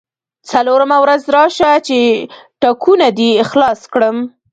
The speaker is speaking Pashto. څلورمه ورځ راشه چې ټکونه دې خلاص کړم.